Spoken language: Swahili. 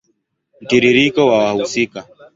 Mtiririko wa wahusika